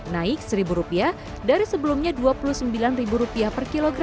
naik rp satu dari sebelumnya rp dua puluh sembilan